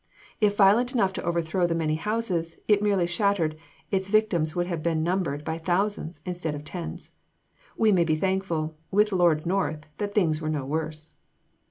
If violent enough to overthrow the many houses it merely shattered, its victims would have been numbered by thousands, instead of tens. We may be thankful, with Lord North, that things were no worse.